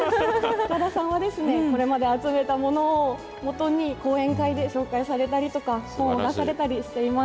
塚田さんは、これまで集めたものをもとに講演会で紹介されたりとか、本を出されたりしています。